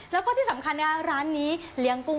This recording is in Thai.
ล็อฟสเตอร์สู้